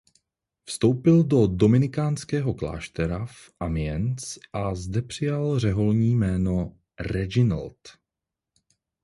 Vstoupil do dominikánského kláštera v Amiens a zde přijal řeholní jméno Reginald.